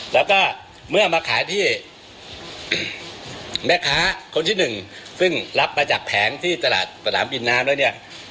แล้วก็เมื่อมาขายที่แม่ค้าคนที่หนึ่งซึ่งรับมาจากแผงที่ตลาดสนามบินน้ำแล้วเนี่ย